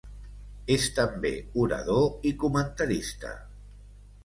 És també orador i comentarista.